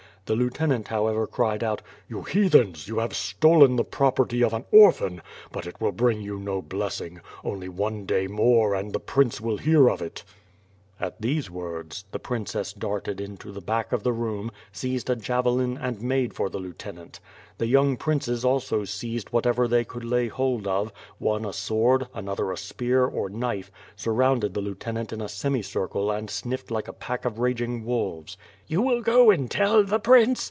The lieutenant, however cried out, 'Ton heathens, you have stolen the property of an orphan, but it will bring you no blessing; only one day more and the prince will hear of it." 4 66 WtfB Pins AKD SWORD. At these words, the princess darted into the back of the room, seized a javelin and made for the lieutenant. The young princes also seized whatever they could lay hold of, one a aword, another a spear, or knife, surrounded the lieu tenant in a ficmicircle and sniffed like a pack of raging wolves. "You will go and tell the prince?"